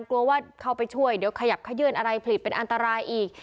กลัวว่าเข้าไปช่วยเดี๋ยวขยับขยื่นอะไรผลิตเป็นอันตรายอีก